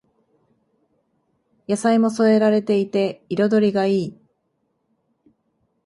野菜も添えられていて彩りがいい